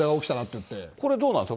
これはどうなんですか？